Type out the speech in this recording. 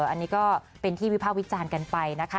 อันนี้ก็เป็นที่วิภาควิจารณ์กันไปนะคะ